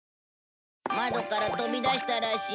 窓から飛び出したらしい。